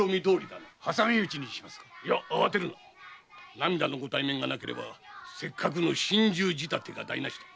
涙のご対面がなければせっかくの心中仕立てが台なしだ。